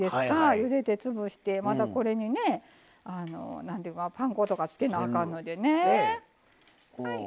ゆでて、潰して、これにパン粉とかつけなあかんのでね。